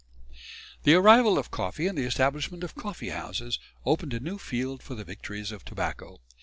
The arrival of coffee and the establishment of coffee houses opened a new field for the victories of tobacco.